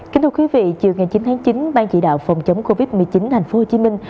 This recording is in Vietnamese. kính thưa quý vị chiều ngày chín tháng chín ban chỉ đạo phòng chống covid một mươi chín thành phố hồ chí minh